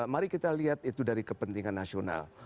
mari kita lihat itu dari kepentingan nasional